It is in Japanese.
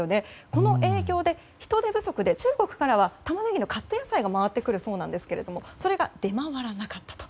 この影響で人手不足で中国からはタマネギのカット野菜が回ってくるそうなんですけれどもそれが出回らなかったと。